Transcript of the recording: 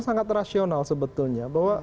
sangat rasional sebetulnya bahwa